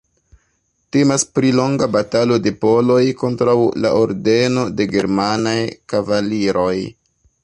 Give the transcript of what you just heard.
Temas pri longa batalo de poloj kontraŭ la Ordeno de germanaj kavaliroj.